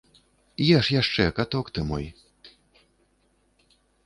Еш яшчэ, каток ты мой!